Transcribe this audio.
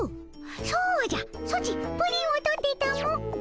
そうじゃソチプリンを取ってたも。